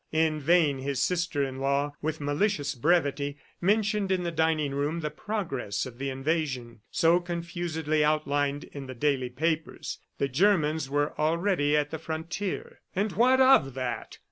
In vain his sister in law, with malicious brevity, mentioned in the dining room the progress of the invasion, so confusedly outlined in the daily papers. The Germans were already at the frontier. "And what of that?"